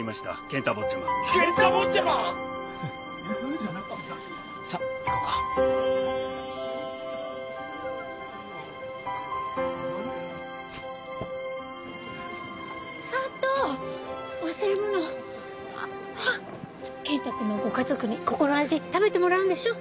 健太君のご家族にここの味食べてもらうんでしょ。